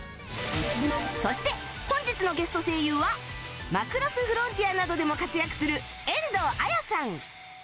そして本日のゲスト声優は『マクロス Ｆ』などでも活躍する遠藤綾さん